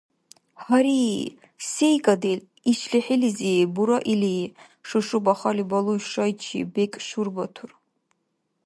– Гьари, сейкӀадил, иш лихӀилизи бура или, – Шушу-Бахали балуй шайчи бекӀ шурбатур.